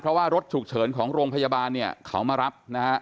เพราะว่ารถฉุกเฉินของโรงพยาบาลเนี่ยเขามารับนะฮะ